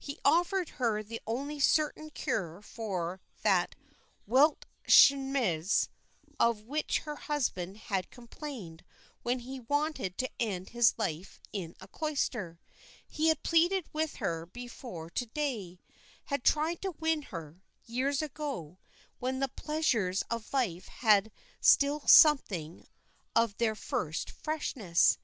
He offered her the only certain cure for that Welt Schmerz of which her husband had complained when he wanted to end his life in a cloister. He had pleaded with her before to day, had tried to win her, years ago, when the pleasures of life had still something of their first freshness.